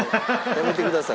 やめてください。